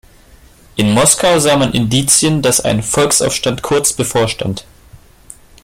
In Moskau sah man Indizien, dass ein Volksaufstand kurz bevorstand.